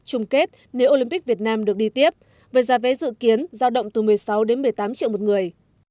chung kết nếu olympic việt nam được đi tiếp với giá vé dự kiến giao động từ một mươi sáu đến một mươi tám triệu một người